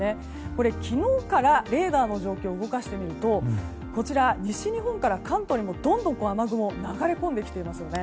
これは昨日からレーダーの状況を動かしてみると西日本から関東にどんどん雨雲が流れ込んできていますよね。